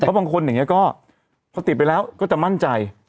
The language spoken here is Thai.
เพราะบางคนอย่างนี้ก็พอติดไปแล้วก็จะมั่นใจ